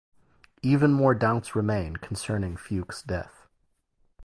Even more doubts remain concerning Fuchs' death.